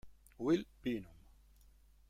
Will Bynum